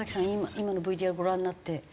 今のＶＴＲご覧になって。